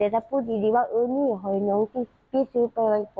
แบบว่าไม่ได้พูด